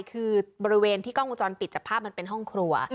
คือบริเวณที่กล้องวงจรปิดจับภาพมันเป็นห้องครัว